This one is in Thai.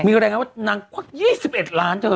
มีอะไรอย่างนั้นว่านางว่า๒๑ล้านเธอ